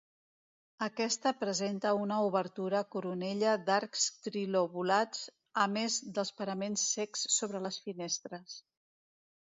Aquesta presenta una obertura coronella d'arcs trilobulats, a més dels paraments cecs sobre les finestres.